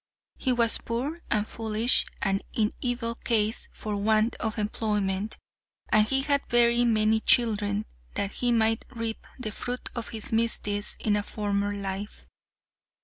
He was poor and foolish and in evil case for want of employment, and he had very many children, that he might reap the fruit of his misdeeds in a former life.